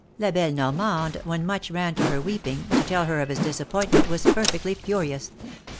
La belle Yormande, when Much ran to her weeping, to tell her of his disappointment, was perfectly furious.